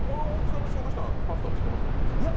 大木さんの紹介したパスタは知ってました？